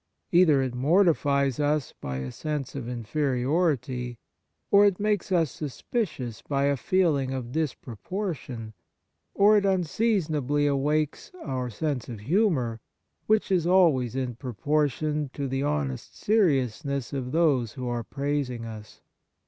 Either it mortifies us by a sense of inferiority, or it makes us suspicious by a feeling of disproportion, or it unseasonably awakes our sense of humour, which is always in proportion to the honest serious ness of those who are praising us.